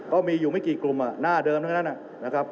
ก็มีอยู่ไม่กี่กลุ่มหน้าเดิมทั้งนั้นนะครับ